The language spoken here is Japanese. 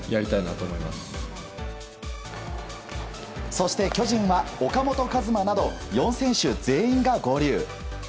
そして巨人は岡本和真など４選手全員が合流。